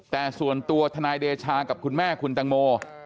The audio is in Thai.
แต่ส่วนตัวทนายเดชากับคุณแม่คุณตังโม